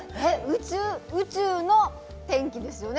宇宙の天気ですよね